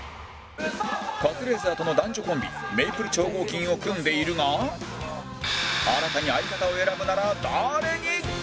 カズレーザーとの男女コンビメイプル超合金を組んでいるが新たに相方を選ぶなら誰に！？